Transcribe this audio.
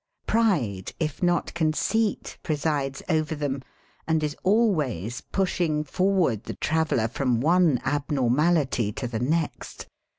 Pride, if not conceit, presides over them, and is always pushing forward the traveller from one abnormality to the next.